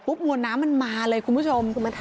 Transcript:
ปุ๊บมัวน้ำมันมาเลยคุณผู้ชม